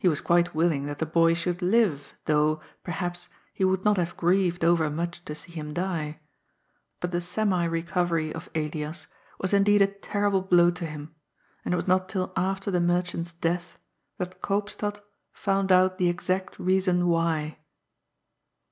He was quite willing that the boy should live, though, perhaps, he would not have grieved over much to see him die. But the semi recovery of Elias was indeed a terrible blow to him, and it was not till after the merchant's death that Koopstad found out the exact reason why.